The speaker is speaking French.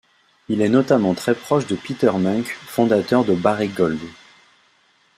Il est notamment très proche de Peter Munk, fondateur de Barrick Gold.